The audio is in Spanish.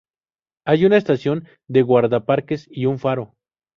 Hay una estación de guardaparques y un faro.